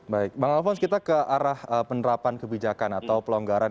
baik bang alfons kita ke arah penerapan kebijakan atau pelonggaran